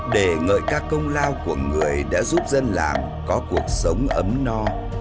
để ngợi các công lao của người đã giúp dân làng có cuộc sống ấm no